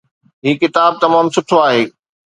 هي ڪتاب تمام سٺو آهي